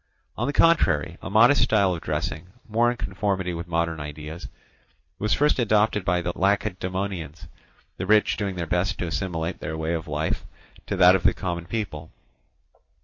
On the contrary, a modest style of dressing, more in conformity with modern ideas, was first adopted by the Lacedaemonians, the rich doing their best to assimilate their way of life to that of the common people.